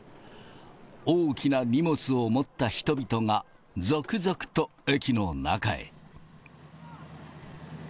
大きな荷物を持った人々が、続々と駅の中へ。